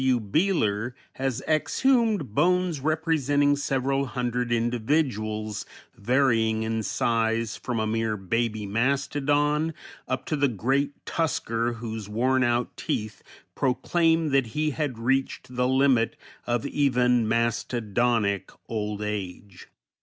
W. Beehler has exhumed bones representing several hundred individuals, varying in size from a mere baby mastodon up to the great tusker whose wornout teeth proclaim that he had reached the limit of even mastodonic old age.